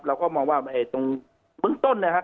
เราก็มองว่าตรงเบื้องต้นนะครับ